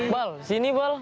bal sini bal